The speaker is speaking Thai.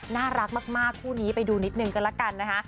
น่ารักมากคู่นี้ไปดูนิดนึงกันละกันนะคะ